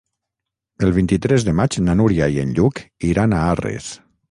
El vint-i-tres de maig na Núria i en Lluc iran a Arres.